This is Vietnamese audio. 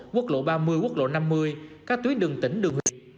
quốc lộ ba mươi quốc lộ năm mươi các tuyến đường tỉnh đường